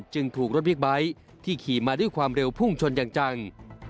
จึงถูกรถบิ๊กไบท์ที่ขี่มาด้วยความเร็วพุ่งชนอย่างจัง